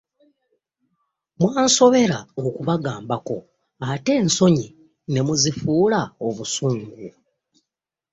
Mwansobera okubagambako ate ensonyi ne muzifuula busungu.